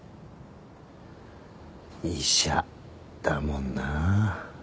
医者だもんなあ。